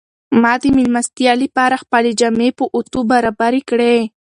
ما د مېلمستیا لپاره خپلې جامې په اوتو برابرې کړې.